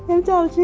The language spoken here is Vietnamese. em chào chị ạ